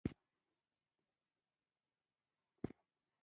لرې رانه مه ځه.